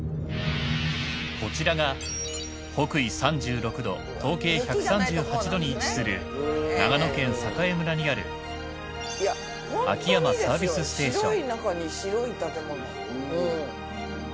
こちらが北緯３６度東経１３８度に位置する長野県栄村にある秋山サービスステーション。